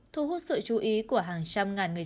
thu hút sự chú ý của hàng trăm ngàn người dân